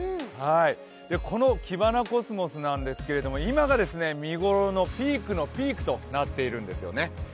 このキバナコスモスなんですけれども、今が見ごろのピークのピークとなっているんですよね。